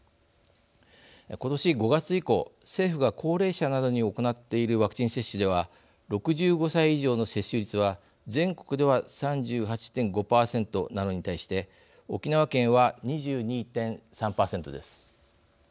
今年５月以降政府が高齢者などに行っているワクチン接種では６５歳以上の接種率は全国では３８．５％なのに対して沖縄県は２２．３％です。